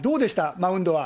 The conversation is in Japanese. マウンドは。